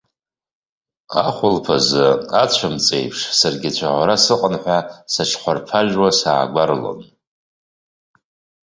Ахәылԥазы, ацәымҵ аиԥш, саргьы цәаӷәара сыҟан ҳәа сыҽхәарԥыжәуа саагәарлон.